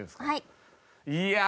はい。